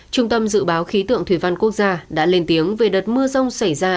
trung tâm dự báo khí tượng thủy văn quốc gia đã lên tiếng về đợt mưa rông xảy ra